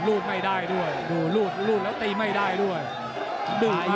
ลูดแล้วอัยนมทีไม่ได้นะดูภาพ